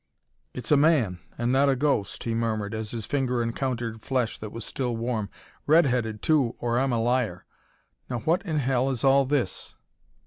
"It's a man and not a ghost," he murmured as his finger encountered flesh that was still warm. "Red headed too, or I'm a liar. Now what in hell is all this?"